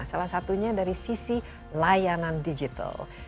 salah satunya dari sisi layanan digital